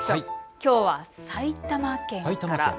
きょうは埼玉県から。